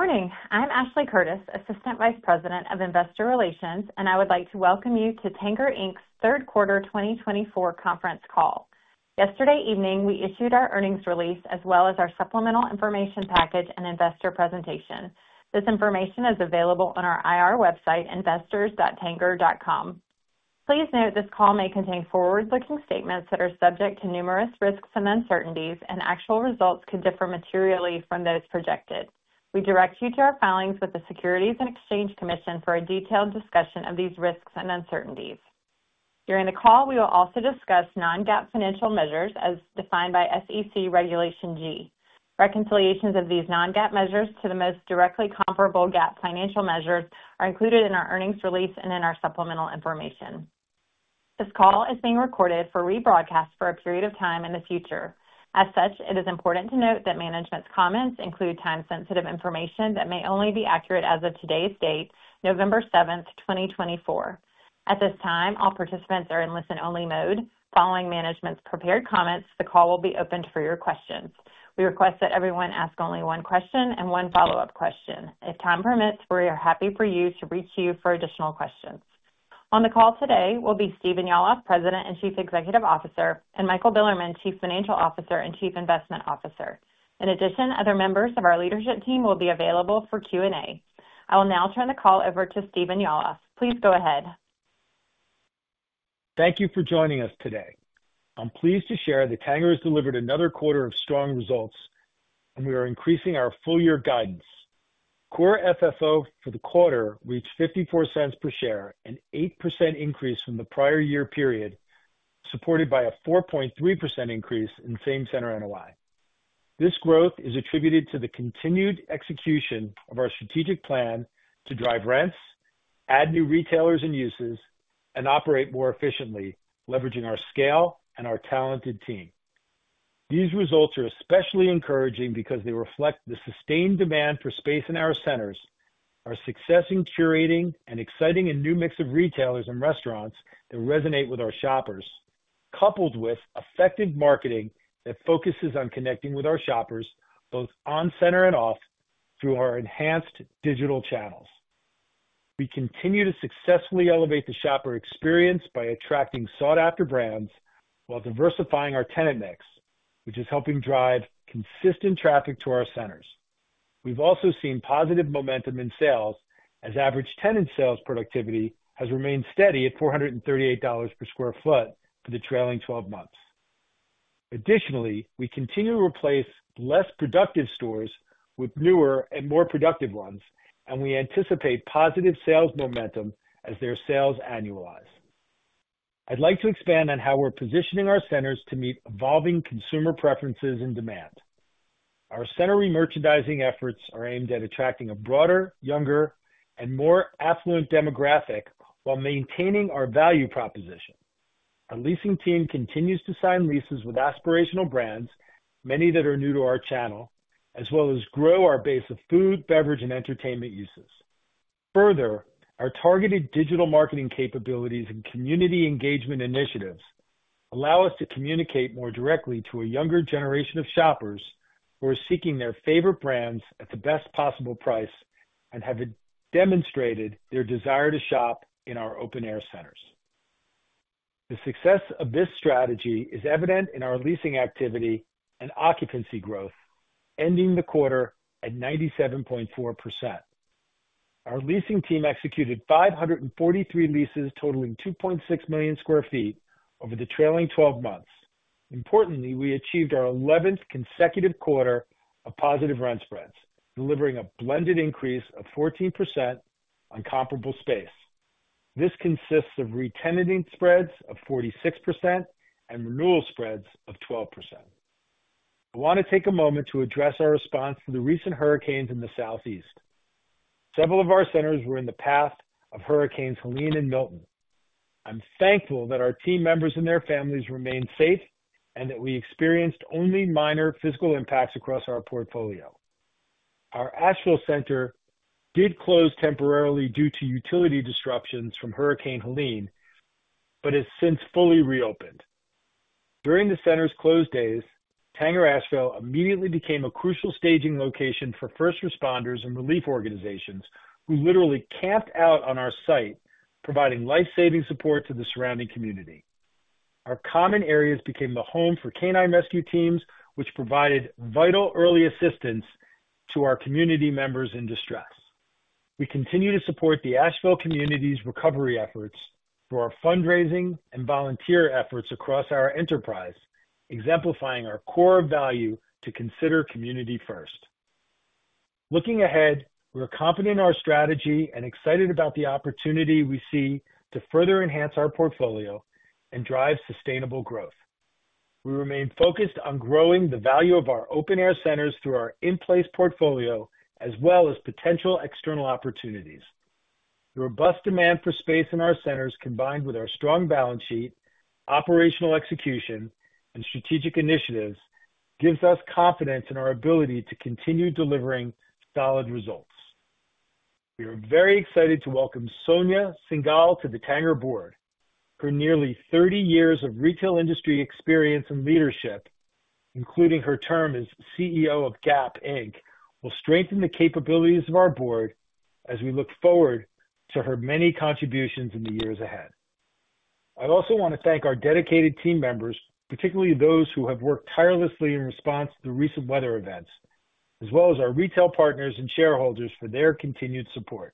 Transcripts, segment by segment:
Good morning. I'm Ashley Curtis, Assistant Vice President of Investor Relations, and I would like to welcome you to Tanger Inc's Third Quarter 2024 Conference Call. Yesterday evening, we issued our earnings release as well as our supplemental information package and investor presentation. This information is available on our IR website, investors.tanger.com. Please note this call may contain forward-looking statements that are subject to numerous risks and uncertainties, and actual results could differ materially from those projected. We direct you to our filings with the Securities and Exchange Commission for a detailed discussion of these risks and uncertainties. During the call, we will also discuss non-GAAP financial measures as defined by SEC Regulation G. Reconciliations of these non-GAAP measures to the most directly comparable GAAP financial measures are included in our earnings release and in our supplemental information. This call is being recorded for rebroadcast for a period of time in the future. As such, it is important to note that management's comments include time-sensitive information that may only be accurate as of today's date, November 7th, 2024. At this time, all participants are in listen-only mode. Following management's prepared comments, the call will be open for your questions. We request that everyone ask only one question and one follow-up question. If time permits, we are happy for you to reach out to us for additional questions. On the call today will be Stephen Yalof, President and Chief Executive Officer, and Michael Bilerman, Chief Financial Officer and Chief Investment Officer. In addition, other members of our leadership team will be available for Q&A. I will now turn the call over to Stephen Yalof. Please go ahead. Thank you for joining us today. I'm pleased to share that Tanger has delivered another quarter of strong results, and we are increasing our full-year guidance. Core FFO for the quarter reached $0.54 per share, an 8% increase from the prior year period, supported by a 4.3% increase in same-center NOI. This growth is attributed to the continued execution of our strategic plan to drive rents, add new retailers and uses, and operate more efficiently, leveraging our scale and our talented team. These results are especially encouraging because they reflect the sustained demand for space in our centers, our success in curating, and exciting a new mix of retailers and restaurants that resonate with our shoppers, coupled with effective marketing that focuses on connecting with our shoppers both on-center and off through our enhanced digital channels. We continue to successfully elevate the shopper experience by attracting sought-after brands while diversifying our tenant mix, which is helping drive consistent traffic to our centers. We've also seen positive momentum in sales as average tenant sales productivity has remained steady at $438 per sq ft for the trailing 12 months. Additionally, we continue to replace less productive stores with newer and more productive ones, and we anticipate positive sales momentum as their sales annualize. I'd like to expand on how we're positioning our centers to meet evolving consumer preferences and demand. Our center merchandising efforts are aimed at attracting a broader, younger, and more affluent demographic while maintaining our value proposition. Our leasing team continues to sign leases with aspirational brands, many that are new to our channel, as well as grow our base of food, beverage, and entertainment uses. Further, our targeted digital marketing capabilities and community engagement initiatives allow us to communicate more directly to a younger generation of shoppers who are seeking their favorite brands at the best possible price and have demonstrated their desire to shop in our open-air centers. The success of this strategy is evident in our leasing activity and occupancy growth, ending the quarter at 97.4%. Our leasing team executed 543 leases totaling 2.6 million sq ft over the trailing 12 months. Importantly, we achieved our 11th consecutive quarter of positive rent spreads, delivering a blended increase of 14% on comparable space. This consists of re-tenanting spreads of 46% and renewal spreads of 12%. I want to take a moment to address our response to the recent hurricanes in the Southeast. Several of our centers were in the path of Hurricanes Helene and Milton. I'm thankful that our team members and their families remained safe and that we experienced only minor physical impacts across our portfolio. Our Asheville center did close temporarily due to utility disruptions from Hurricane Helene, but has since fully reopened. During the center's closed days, Tanger Asheville immediately became a crucial staging location for first responders and relief organizations who literally camped out on our site, providing lifesaving support to the surrounding community. Our common areas became the home for canine rescue teams, which provided vital early assistance to our community members in distress. We continue to support the Asheville community's recovery efforts through our fundraising and volunteer efforts across our enterprise, exemplifying our core value to consider community first. Looking ahead, we're confident in our strategy and excited about the opportunity we see to further enhance our portfolio and drive sustainable growth. We remain focused on growing the value of our open-air centers through our in-place portfolio as well as potential external opportunities. The robust demand for space in our centers, combined with our strong balance sheet, operational execution, and strategic initiatives, gives us confidence in our ability to continue delivering solid results. We are very excited to welcome Sonia Syngal to the Tanger board. Her nearly 30 years of retail industry experience and leadership, including her term as CEO of Gap Inc, will strengthen the capabilities of our board as we look forward to her many contributions in the years ahead. I also want to thank our dedicated team members, particularly those who have worked tirelessly in response to the recent weather events, as well as our retail partners and shareholders for their continued support.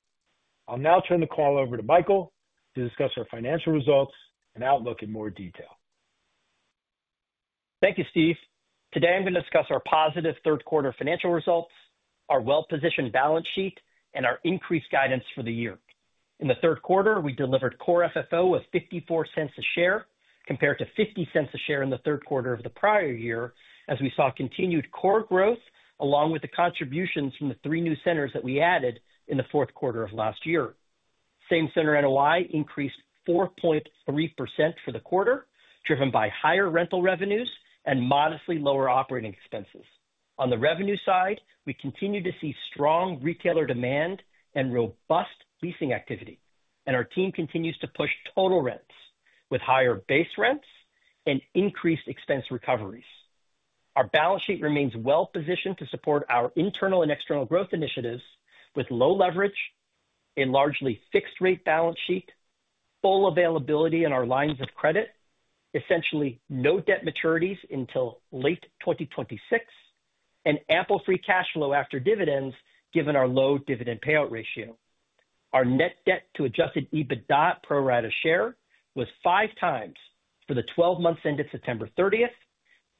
I'll now turn the call over to Michael to discuss our financial results and outlook in more detail. Thank you, Steve. Today, I'm going to discuss our positive third-quarter financial results, our well-positioned balance sheet, and our increased guidance for the year. In the third quarter, we delivered Core FFO of $0.54 a share compared to $0.50 a share in the third quarter of the prior year, as we saw continued core growth along with the contributions from the three new centers that we added in the fourth quarter of last year. Same-Center NOI increased 4.3% for the quarter, driven by higher rental revenues and modestly lower operating expenses. On the revenue side, we continue to see strong retailer demand and robust leasing activity, and our team continues to push total rents with higher base rents and increased expense recoveries. Our balance sheet remains well-positioned to support our internal and external growth initiatives with low leverage, a largely fixed-rate balance sheet, full availability in our lines of credit, essentially no debt maturities until late 2026, and ample free cash flow after dividends given our low dividend payout ratio. Our net debt to adjusted EBITDA pro rata share was 5x for the 12 months ended September 30th,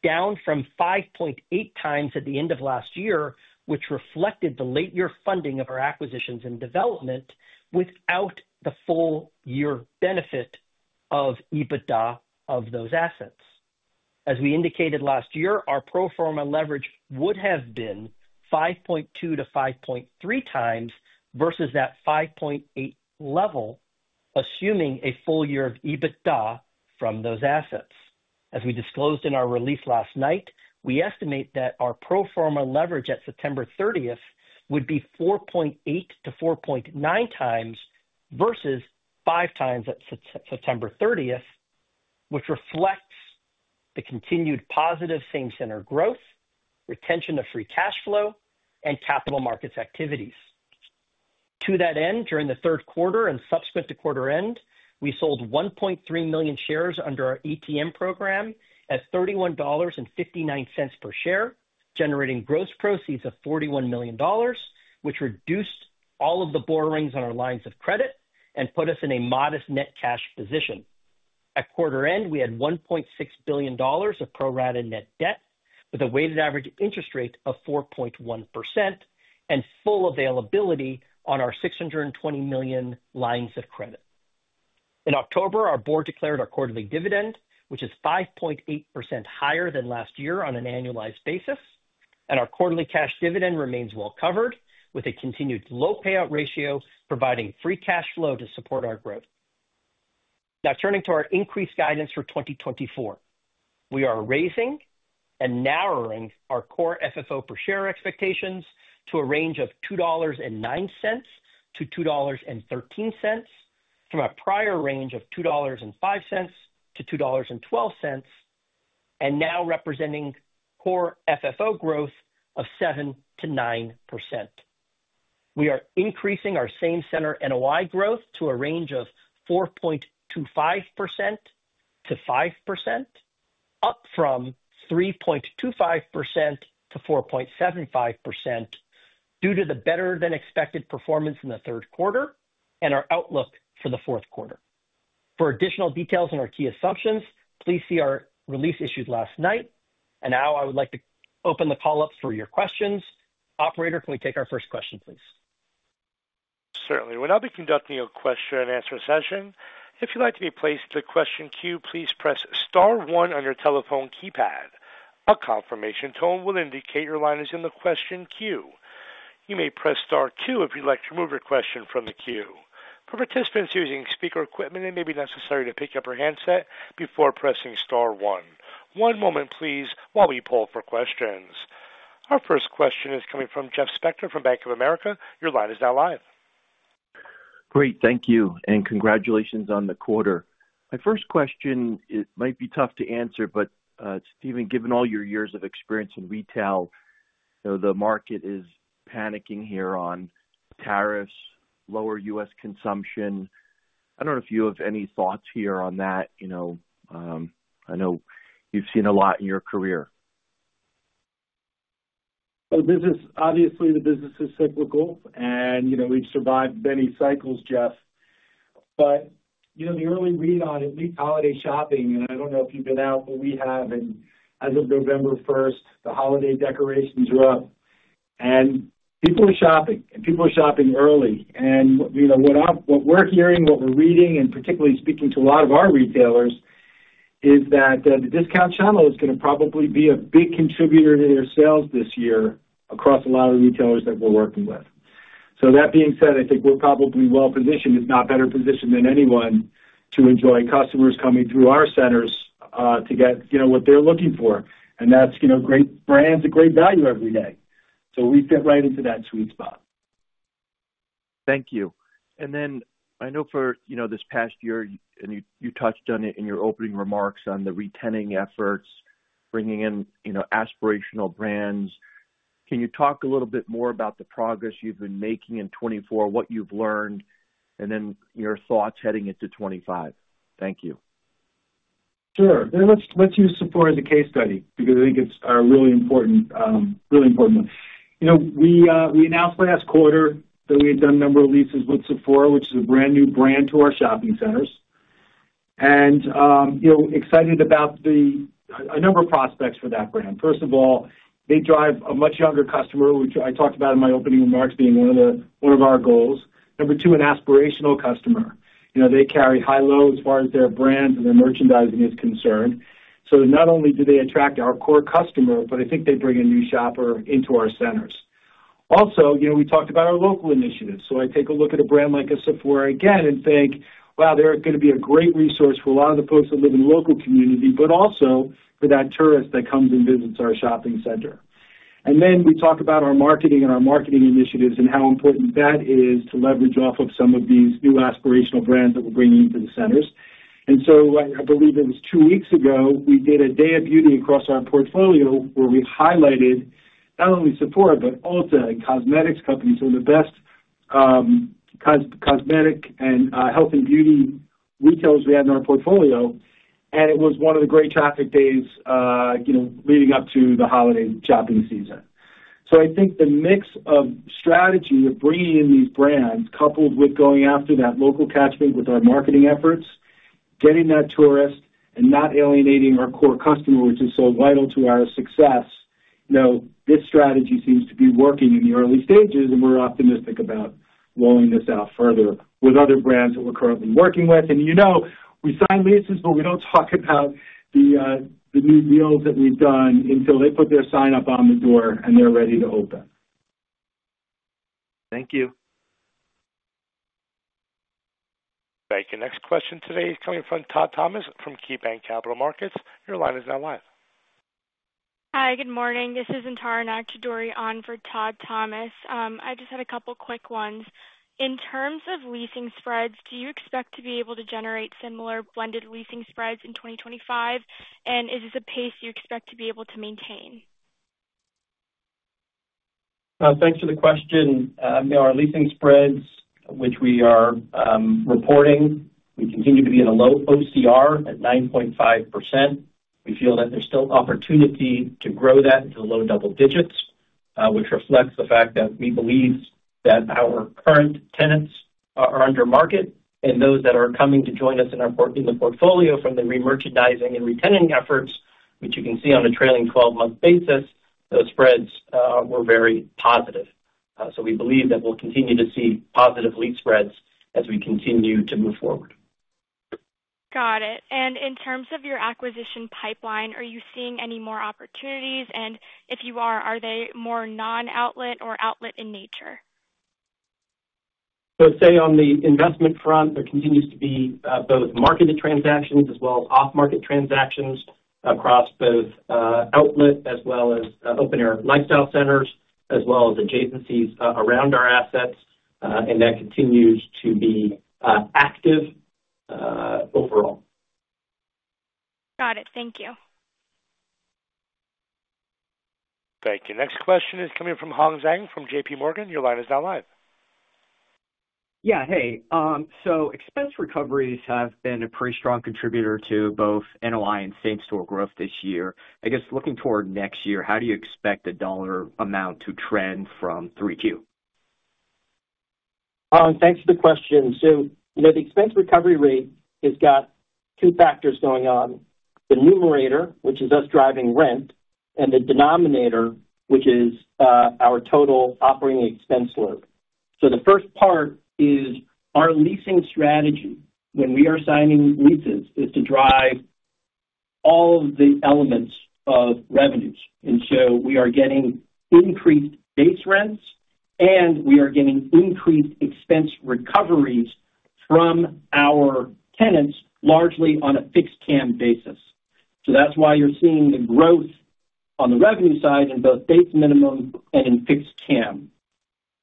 down from 5.8x at the end of last year, which reflected the late-year funding of our acquisitions and development without the full-year benefit of EBITDA of those assets. As we indicated last year, our pro forma leverage would have been 5.2x-5.3x versus that 5.8 level, assuming a full year of EBITDA from those assets. As we disclosed in our release last night, we estimate that our pro forma leverage at September 30th would be 4.8x-4.9x versus 5x at September 30th, which reflects the continued positive same-center growth, retention of free cash flow, and capital markets activities. To that end, during the third quarter and subsequent to quarter end, we sold 1.3 million shares under our ATM program at $31.59 per share, generating gross proceeds of $41 million, which reduced all of the borrowings on our lines of credit and put us in a modest net cash position. At quarter end, we had $1.6 billion of pro rata net debt with a weighted average interest rate of 4.1% and full availability on our $620 million lines of credit. In October, our board declared our quarterly dividend, which is 5.8% higher than last year on an annualized basis, and our quarterly cash dividend remains well covered with a continued low payout ratio, providing free cash flow to support our growth. Now, turning to our increased guidance for 2024, we are raising and narrowing our core FFO per share expectations to a range of $2.09-$2.13 from a prior range of $2.05-$2.12, and now representing core FFO growth of 7%-9%. We are increasing our same-center NOI growth to a range of 4.25%-5%, up from 3.25%-4.75% due to the better-than-expected performance in the third quarter and our outlook for the fourth quarter. For additional details on our key assumptions, please see our release issued last night, and now I would like to open the call up for your questions. Operator, can we take our first question, please? Certainly. We'll now be conducting a question-and-answer session. If you'd like to be placed in the question queue, please press star one on your telephone keypad. A confirmation tone will indicate your line is in the question queue. You may press star two if you'd like to remove your question from the queue. For participants using speaker equipment, it may be necessary to pick up your handset before pressing star one. One moment, please, while we pull up our questions. Our first question is coming from Jeff Spector from Bank of America. Your line is now live. Great. Thank you. And congratulations on the quarter. My first question might be tough to answer, but Stephen, given all your years of experience in retail, the market is panicking here on tariffs, lower U.S. consumption. I don't know if you have any thoughts here on that. I know you've seen a lot in your career. Obviously, the business is cyclical, and we've survived many cycles, Jeff. The early read-on, at least holiday shopping, and I don't know if you've been out, but we have. As of November 1st, the holiday decorations are up, and people are shopping, and people are shopping early. What we're hearing, what we're reading, and particularly speaking to a lot of our retailers, is that the discount channel is going to probably be a big contributor to their sales this year across a lot of retailers that we're working with. That being said, I think we're probably well-positioned, if not better-positioned than anyone, to enjoy customers coming through our centers to get what they're looking for. That's great brands, great value every day. We fit right into that sweet spot. Thank you. And then I know for this past year, and you touched on it in your opening remarks on the re-tenanting efforts, bringing in aspirational brands. Can you talk a little bit more about the progress you've been making in 2024, what you've learned, and then your thoughts heading into 2025? Thank you. Sure. Let's use Sephora as a case study because I think it's a really important one. We announced last quarter that we had done a number of leases with Sephora, which is a brand new brand to our shopping centers and excited about a number of prospects for that brand. First of all, they drive a much younger customer, which I talked about in my opening remarks being one of our goals. Number two, an aspirational customer. They carry high-low as far as their brands and their merchandising is concerned. So not only do they attract our core customer, but I think they bring a new shopper into our centers. Also, we talked about our local initiatives. I take a look at a brand like Sephora again and think, wow, they're going to be a great resource for a lot of the folks that live in the local community, but also for that tourist that comes and visits our shopping center. Then we talk about our marketing and our marketing initiatives and how important that is to leverage off of some of these new aspirational brands that we're bringing into the centers. I believe it was two weeks ago we did a day of beauty across our portfolio where we highlighted not only Sephora, but Ulta and cosmetics companies who are the best cosmetic and health and beauty retailers we had in our portfolio. It was one of the great traffic days leading up to the holiday shopping season. I think the mix of strategy of bringing in these brands, coupled with going after that local catchment with our marketing efforts, getting that tourist, and not alienating our core customer, which is so vital to our success, this strategy seems to be working in the early stages, and we're optimistic about rolling this out further with other brands that we're currently working with. We sign leases, but we don't talk about the new deals that we've done until they put their sign up on the door and they're ready to open. Thank you. Thank you. Next question today is coming from Todd Thomas from KeyBanc Capital Markets. Your line is now live. Hi, good morning. This is Antranik Jaridian for Todd Thomas. I just had a couple of quick ones. In terms of leasing spreads, do you expect to be able to generate similar blended leasing spreads in 2025? And is this a pace you expect to be able to maintain? Thanks for the question. Our leasing spreads, which we are reporting, we continue to be in a low OCR at 9.5%. We feel that there's still opportunity to grow that to the low double digits, which reflects the fact that we believe that our current tenants are under market, and those that are coming to join us in the portfolio from the re-merchandising and re-tenanting efforts, which you can see on a trailing 12-month basis, those spreads were very positive, so we believe that we'll continue to see positive lease spreads as we continue to move forward. Got it. And in terms of your acquisition pipeline, are you seeing any more opportunities? And if you are, are they more non-outlet or outlet in nature? I would say on the investment front, there continues to be both marketed transactions as well as off-market transactions across both outlet as well as open-air lifestyle centers, as well as adjacencies around our assets, and that continues to be active overall. Got it. Thank you. Thank you. Next question is coming from Hong Zhang from J.P. Morgan. Your line is now live. Yeah. Hey. So expense recoveries have been a pretty strong contributor to both NOI and same-store growth this year. I guess looking toward next year, how do you expect the dollar amount to trend from 3Q? Thanks for the question. So the expense recovery rate has got two factors going on: the numerator, which is us driving rent, and the denominator, which is our total operating expense load. So the first part is our leasing strategy when we are signing leases is to drive all of the elements of revenues. And so we are getting increased base rents, and we are getting increased expense recoveries from our tenants, largely on a fixed CAM basis. So that's why you're seeing the growth on the revenue side in both base minimum and in fixed CAM.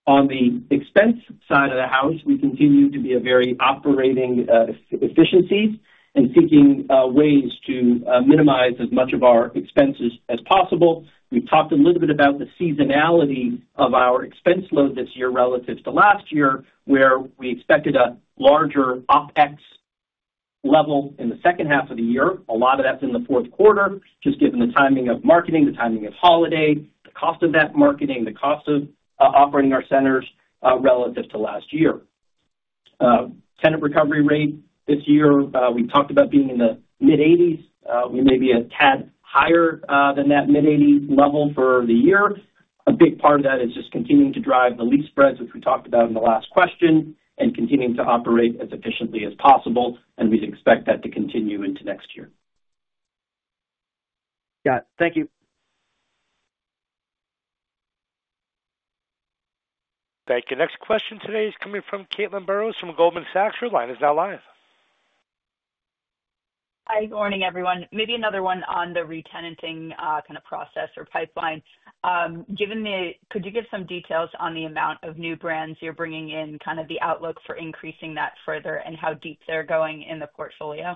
On the expense side of the house, we continue to be very operating efficiencies and seeking ways to minimize as much of our expenses as possible. We've talked a little bit about the seasonality of our expense load this year relative to last year, where we expected a larger OpEx level in the second half of the year. A lot of that's in the fourth quarter, just given the timing of marketing, the timing of holiday, the cost of that marketing, the cost of operating our centers relative to last year. Tenant recovery rate this year, we talked about being in the mid-80s. We may be a tad higher than that mid-80 level for the year. A big part of that is just continuing to drive the lease spreads, which we talked about in the last question, and continuing to operate as efficiently as possible. And we'd expect that to continue into next year. Got it. Thank you. Thank you. Next question today is coming from Caitlin Burrows from Goldman Sachs. Your line is now live. Hi. Good morning, everyone. Maybe another one on the re-tenanting kind of process or pipeline. Could you give some details on the amount of new brands you're bringing in, kind of the outlook for increasing that further, and how deep they're going in the portfolio?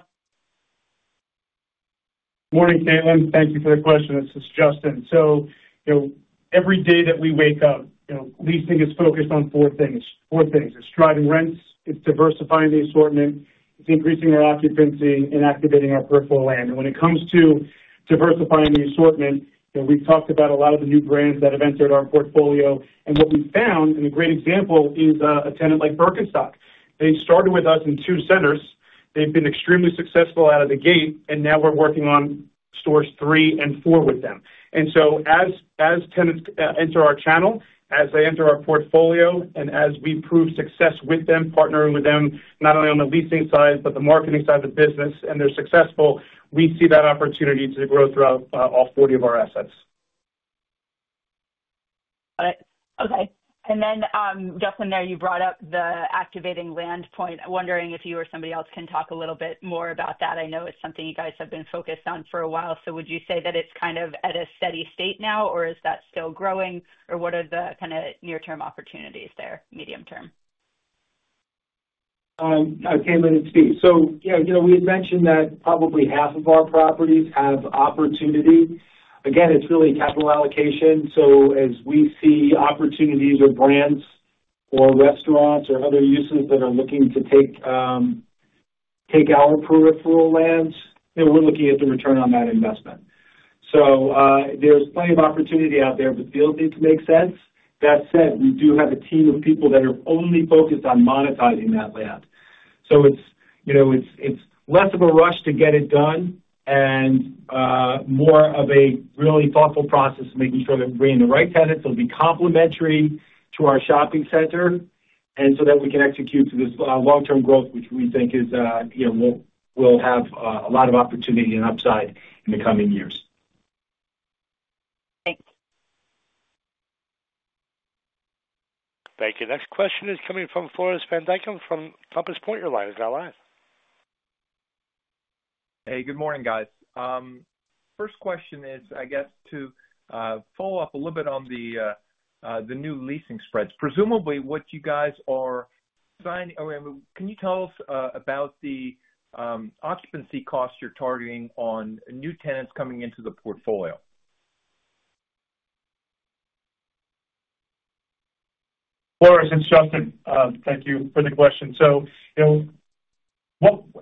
Morning, Caitlin. Thank you for the question. This is Justin. So every day that we wake up, leasing is focused on four things. It's driving rents. It's diversifying the assortment. It's increasing our occupancy and activating our peripheral land. And when it comes to diversifying the assortment, we've talked about a lot of the new brands that have entered our portfolio. And what we found, and a great example is a tenant like Birkenstock. They started with us in two centers. They've been extremely successful out of the gate, and now we're working on stores three and four with them. And so as tenants enter our channel, as they enter our portfolio, and as we prove success with them, partnering with them not only on the leasing side, but the marketing side of the business, and they're successful, we see that opportunity to grow throughout all 40 of our assets. Got it. Okay. And then, Justin, there you brought up the activating land point. I'm wondering if you or somebody else can talk a little bit more about that. I know it's something you guys have been focused on for a while. So would you say that it's kind of at a steady state now, or is that still growing, or what are the kind of near-term opportunities there, medium-term? I came in to speak. So yeah, we had mentioned that probably half of our properties have opportunity. Again, it's really capital allocation. So as we see opportunities or brands or restaurants or other uses that are looking to take our peripheral lands, we're looking at the return on that investment. So there's plenty of opportunity out there, but deals need to make sense. That said, we do have a team of people that are only focused on monetizing that land. So it's less of a rush to get it done and more of a really thoughtful process, making sure that we're bringing the right tenants that will be complementary to our shopping center so that we can execute to this long-term growth, which we think will have a lot of opportunity and upside in the coming years. Thanks. Thank you. Next question is coming from Floris van Dijkum from Compass Point. Your line is now live. Hey, good morning, guys. First question is, I guess, to follow up a little bit on the new leasing spreads. Presumably, what you guys are signing, can you tell us about the occupancy costs you're targeting on new tenants coming into the portfolio? Floris it's Justin, thank you for the question. So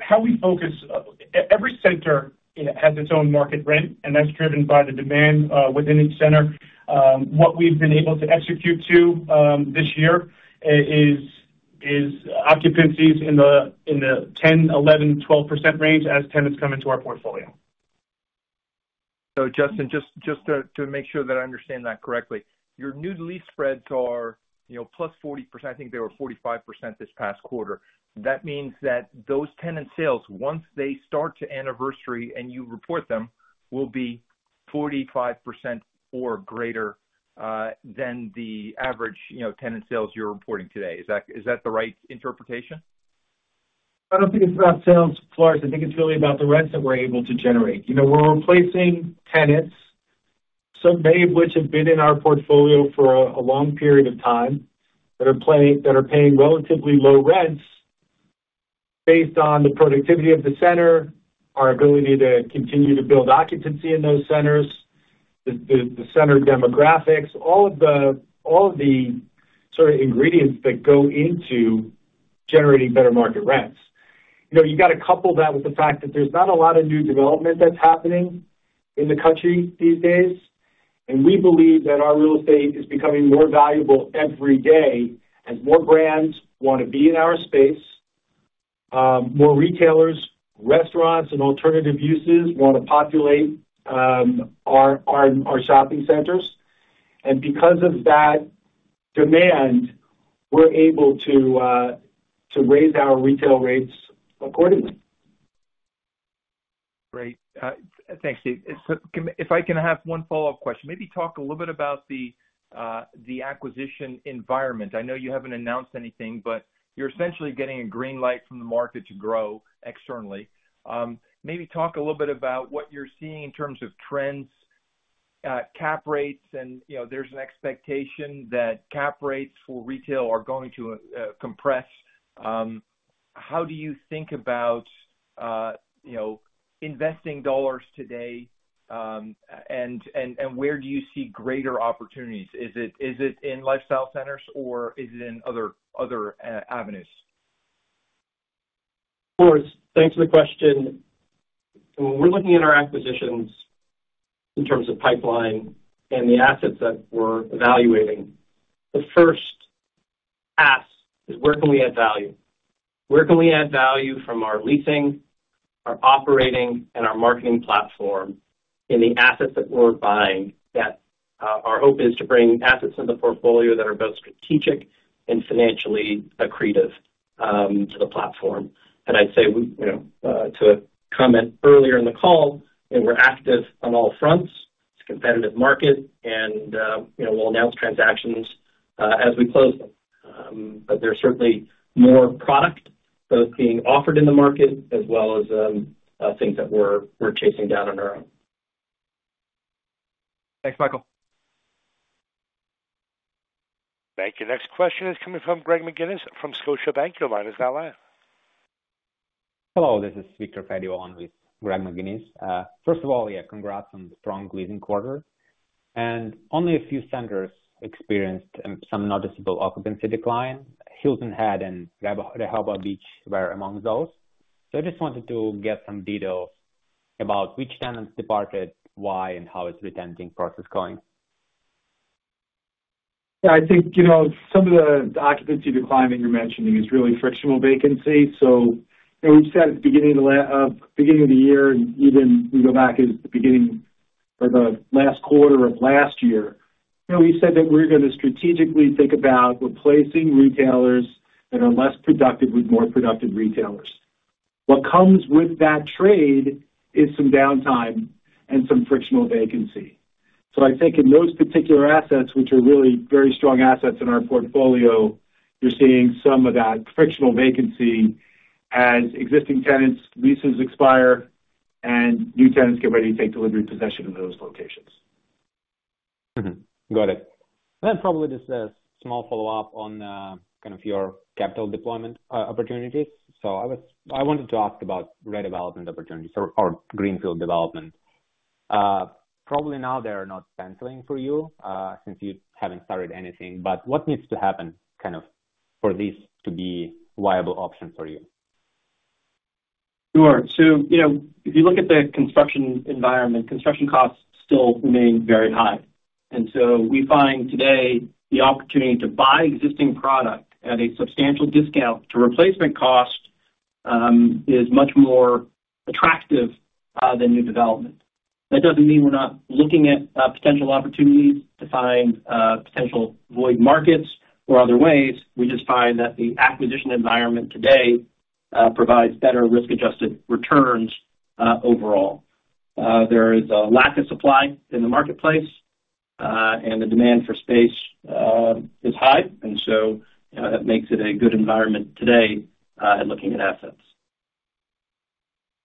how we focus, every center has its own market rent, and that's driven by the demand within each center. What we've been able to execute to this year is occupancies in the 10%, 11%, 12% range as tenants come into our portfolio. Justin, just to make sure that I understand that correctly, your new lease spreads are +40%. I think they were 45% this past quarter. That means that those tenant sales, once they start to anniversary and you report them, will be 45% or greater than the average tenant sales you're reporting today. Is that the right interpretation? I don't think it's about sales, Floris. I think it's really about the rents that we're able to generate. We're replacing tenants, so many of which have been in our portfolio for a long period of time, that are paying relatively low rents based on the productivity of the center, our ability to continue to build occupancy in those centers, the center demographics, all of the sort of ingredients that go into generating better market rents. You've got to couple that with the fact that there's not a lot of new development that's happening in the country these days, and we believe that our real estate is becoming more valuable every day as more brands want to be in our space, more retailers, restaurants, and alternative uses want to populate our shopping centers, and because of that demand, we're able to raise our retail rates accordingly. Great. Thanks, Steve. If I can have one follow-up question, maybe talk a little bit about the acquisition environment. I know you haven't announced anything, but you're essentially getting a green light from the market to grow externally. Maybe talk a little bit about what you're seeing in terms of trends, cap rates, and there's an expectation that cap rates for retail are going to compress. How do you think about investing dollars today, and where do you see greater opportunities? Is it in lifestyle centers, or is it in other avenues? Floris, thanks for the question. When we're looking at our acquisitions in terms of pipeline and the assets that we're evaluating, the first ask is, where can we add value? Where can we add value from our leasing, our operating, and our marketing platform in the assets that we're buying that our hope is to bring assets into the portfolio that are both strategic and financially accretive to the platform. And I'd say to a comment earlier in the call, we're active on all fronts. It's a competitive market, and we'll announce transactions as we close them. But there's certainly more product both being offered in the market as well as things that we're chasing down on our own. Thanks, Michael. Thank you. Next question is coming from Greg McGinnis from Scotiabank. Your line is now live. Hello. This is Federico Wal with Greg McGinnis. First of all, yeah, congrats on the strong leasing quarter. And only a few centers experienced some noticeable occupancy decline. Hilton Head and Rehoboth Beach were among those. So I just wanted to get some details about which tenants departed, why, and how is the retention process going? Yeah. I think some of the occupancy decline that you're mentioning is really frictional vacancy. So we've said at the beginning of the year, even if we go back to the beginning or the last quarter of last year, we said that we're going to strategically think about replacing retailers that are less productive with more productive retailers. What comes with that trade is some downtime and some frictional vacancy. So I think in those particular assets, which are really very strong assets in our portfolio, you're seeing some of that frictional vacancy as existing tenants' leases expire, and new tenants get ready to take delivery possession of those locations. Got it, then probably just a small follow-up on kind of your capital deployment opportunities, so I wanted to ask about redevelopment opportunities or greenfield development. Probably now they're not penciling for you since you haven't started anything, but what needs to happen kind of for these to be viable options for you? Sure. So if you look at the construction environment, construction costs still remain very high. And so we find today the opportunity to buy existing product at a substantial discount to replacement cost is much more attractive than new development. That doesn't mean we're not looking at potential opportunities to find potential void markets or other ways. We just find that the acquisition environment today provides better risk-adjusted returns overall. There is a lack of supply in the marketplace, and the demand for space is high. And so that makes it a good environment today at looking at assets.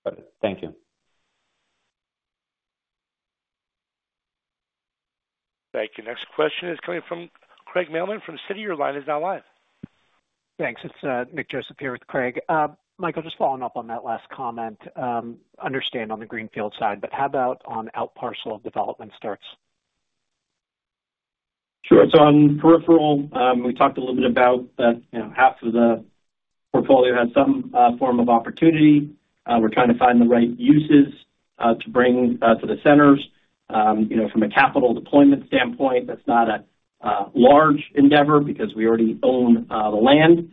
Got it. Thank you. Thank you. Next question is coming from Craig Mailman from Citi. Your line is now live. Thanks. It's Nick Joseph here with Craig. Michael, just following up on that last comment. Understand on the greenfield side, but how about on outparcel development starts? Sure. So on outparcels, we talked a little bit about half of the portfolio has some form of opportunity. We're trying to find the right uses to bring to the centers. From a capital deployment standpoint, that's not a large endeavor because we already own the land.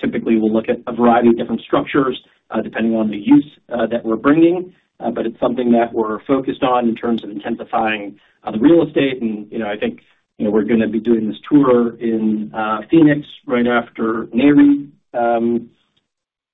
Typically, we'll look at a variety of different structures depending on the use that we're bringing. But it's something that we're focused on in terms of intensifying the real estate. I think we're going to be doing this tour in Phoenix right after Nareit.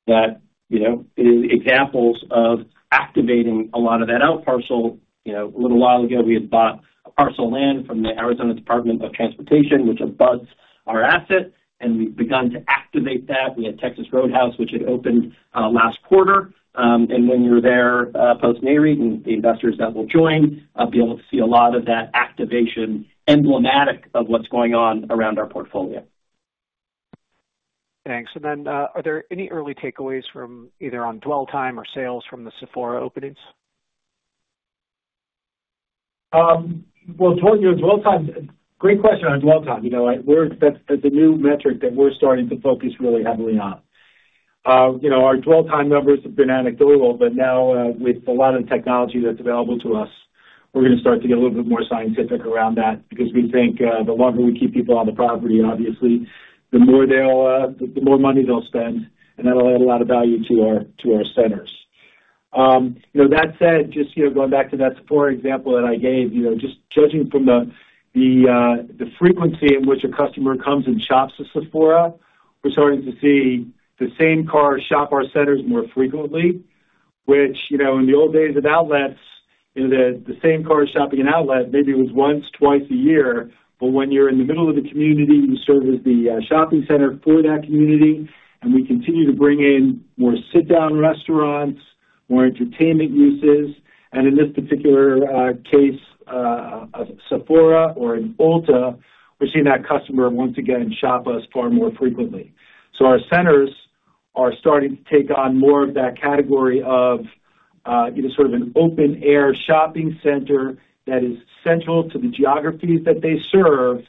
That has examples of activating a lot of that outparcel. A little while ago, we had bought a parcel of land from the Arizona Department of Transportation, which abuts our asset. We've begun to activate that. We had Texas Roadhouse, which had opened last quarter. When you're there post-Nareit, the investors that will join will be able to see a lot of that activation emblematic of what's going on around our portfolio. Thanks. And then are there any early takeaways from either on dwell time or sales from the Sephora openings? Dwell time, great question on dwell time. That's a new metric that we're starting to focus really heavily on. Our dwell time numbers have been anecdotal, but now with a lot of the technology that's available to us, we're going to start to get a little bit more scientific around that because we think the longer we keep people on the property, obviously, the more money they'll spend, and that'll add a lot of value to our centers. That said, just going back to that Sephora example that I gave, just judging from the frequency in which a customer comes and shops at Sephora, we're starting to see the same car shop our centers more frequently, which in the old days of outlets, the same car shopping an outlet maybe was once, twice a year. But when you're in the middle of the community, you serve as the shopping center for that community. And we continue to bring in more sit-down restaurants, more entertainment uses. And in this particular case of Sephora or an Ulta, we're seeing that customer once again shop us far more frequently. So our centers are starting to take on more of that category of sort of an open-air shopping center that is central to the geographies that they serve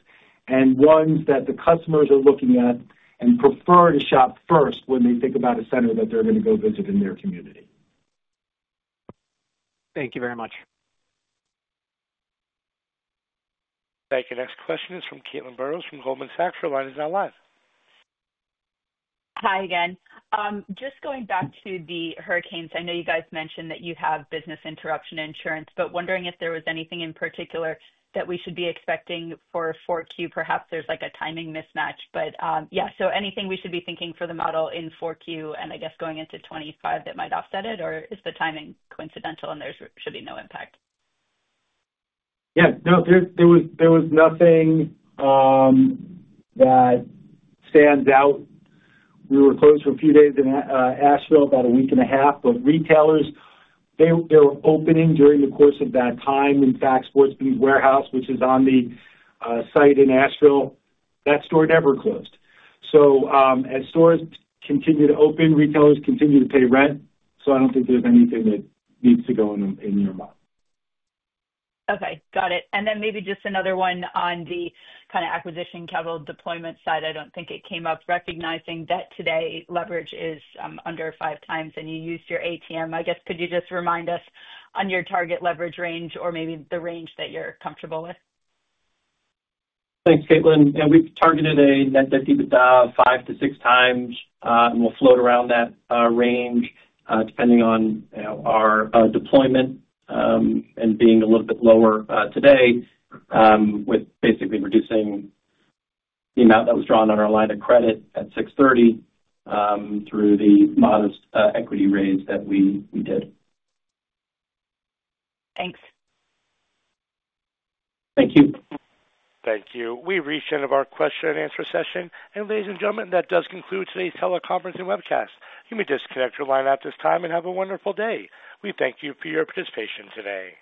and ones that the customers are looking at and prefer to shop first when they think about a center that they're going to go visit in their community. Thank you very much. Thank you. Next question is from Caitlin Burrows from Goldman Sachs. Your line is now live. Hi, again. Just going back to the hurricanes, I know you guys mentioned that you have business interruption insurance, but wondering if there was anything in particular that we should be expecting for 4Q? Perhaps there's a timing mismatch, but yeah. So anything we should be thinking for the model in 4Q and I guess going into 2025 that might offset it, or is the timing coincidental and there should be no impact? Yeah. No, there was nothing that stands out. We were closed for a few days in Asheville, about a week and a half. But retailers, they were opening during the course of that time in Sportsman's Warehouse, which is on the site in Asheville. That store never closed. So as stores continue to open, retailers continue to pay rent. So I don't think there's anything that needs to go in your model. Okay. Got it. And then maybe just another one on the kind of acquisition capital deployment side. I don't think it came up recognizing that today leverage is under five times, and you used your ATM. I guess could you just remind us on your target leverage range or maybe the range that you're comfortable with? Thanks, Caitlin. Yeah, we've targeted a net debt of five to six times, and we'll float around that range depending on our deployment and being a little bit lower today with basically reducing the amount that was drawn on our line of credit at $630 through the modest equity raise that we did. Thanks. Thank you. Thank you. We reached the end of our question and answer session, and ladies and gentlemen, that does conclude today's teleconference and webcast. You may disconnect your line at this time and have a wonderful day. We thank you for your participation today.